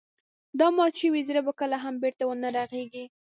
دا مات شوی زړه به کله هم بېرته ونه رغيږي.